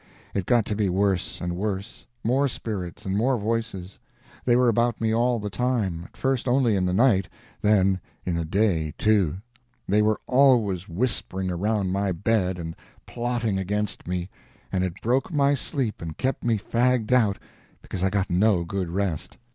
It got to be worse and worse; more spirits and more voices. They were about me all the time; at first only in the night, then in the day too. They were always whispering around my bed and plotting against me, and it broke my sleep and kept me fagged out, because I got no good rest.